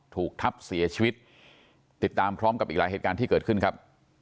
ถูกทับเสียชีวิตติดตามพร้อมกับอีกหลายเหตุการณ์ที่เกิดขึ้นครับ